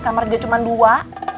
kamar dia cuma dua